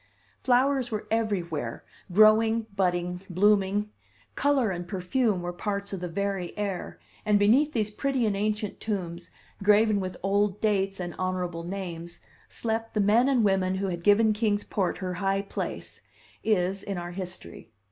Flowers were everywhere, growing, budding, blooming; color and perfume were parts of the very air, and beneath these pretty and ancient tombs, graven with old dates and honorable names, slept the men and women who had given Kings Port her high place is; in our history.